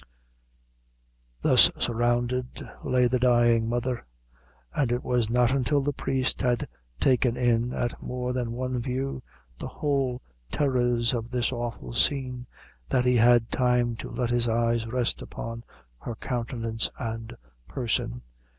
Thus surrounded lay the dying mother, and it was not until the priest had taken in, at more than one view, the whole terrors of this awful scene, that he had time to let his eyes rest upon her countenance and person.